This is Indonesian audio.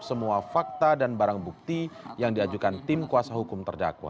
semua fakta dan barang bukti yang diajukan tim kuasa hukum terdakwa